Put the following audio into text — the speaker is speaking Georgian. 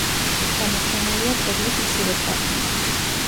შემორჩენილია კედლის მცირე ფრაგმენტი.